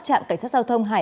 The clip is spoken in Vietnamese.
trạm cảnh sát giao thông hải